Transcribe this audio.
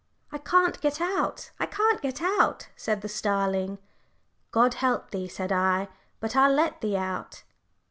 "'I can't get out; I can't get out,' said the starling. 'God help thee,' said I; 'but I'll let thee out.'"